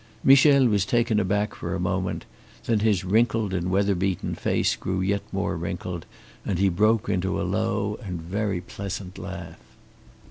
Michel was taken aback for a moment; then his wrinkled and weatherbeaten face grew yet more wrinkled and he broke into a low and very pleasant laugh.